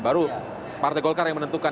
baru partai golkar yang menentukan